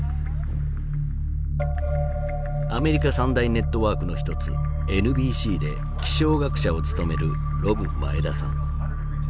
アメリカ三大ネットワークの一つＮＢＣで気象学者を務めるロブ・マエダさん。